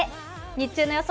日中の予想